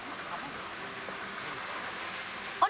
あれ？